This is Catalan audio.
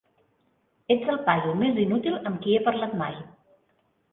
Ets el paio més inútil amb qui he parlat mai.